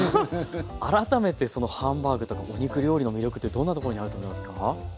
改めてそのハンバーグとかお肉料理の魅力ってどんなところにあると思いますか？